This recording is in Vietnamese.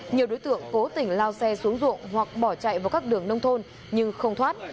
nhiều đối tượng cố tình lao xe xuống ruộng hoặc bỏ chạy vào các đường nông thôn nhưng không thoát